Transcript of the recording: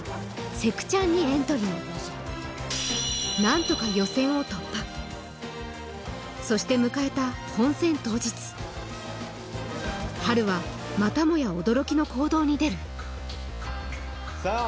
セクチャンにエントリー何とかそして迎えたハルはまたもや驚きの行動に出るさあ